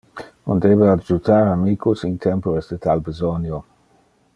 On debe adjutar amicos in tempores de tal besonio.